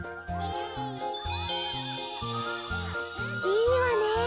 いいわね。